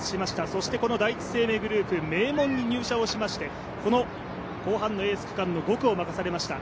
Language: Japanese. そしてこの第一生命グループ、名門に入社をしましてこの後半のエース区間の５区を任されました。